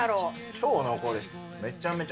超濃厚です。